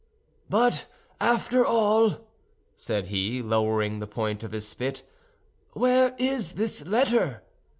"But, after all," said he, lowering the point of his spit, "where is this letter?"